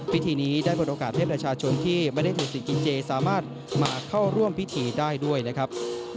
พิธีนี้ได้บทโอกาสเทพรชาชนที่บรรเทศสิริกิเจสามารถมาเข้าร่วมพิธีได้ด้วยนะครับ